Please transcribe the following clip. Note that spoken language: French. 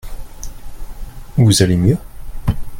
Vous allez mieux ?